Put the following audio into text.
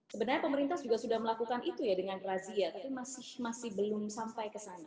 sebenarnya pemerintah juga sudah melakukan itu ya dengan razia tapi masih belum sampai ke sana